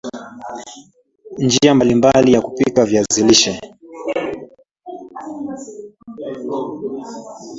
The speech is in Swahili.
njia mbalimbali ya kupika viazi lishe